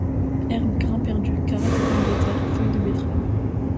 Herbe, grain perdu, carottes et pommes de terre, feuilles de betteraves.